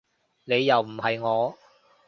你又唔係我